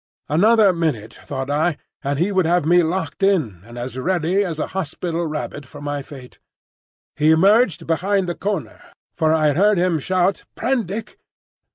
Another minute, thought I, and he would have had me locked in, and as ready as a hospital rabbit for my fate. He emerged behind the corner, for I heard him shout, "Prendick!"